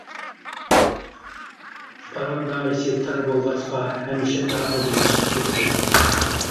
پاراڭ دائىرىسى تار بولغاچقا ھەمىشە دائىرىدىن چىقىپ كېتىدۇ.